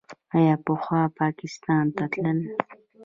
آیا پخوا پاکستان ته تلل؟